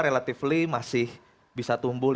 relatively masih bisa tumbuh